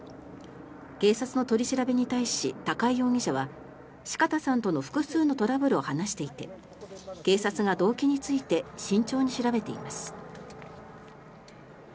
警察の取り調べに対し高井容疑者は四方さんとの複数のトラブルを話していて警察が動機について慎重に調べています。